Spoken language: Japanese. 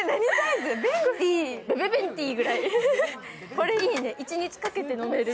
これいいね、一日かけて飲める。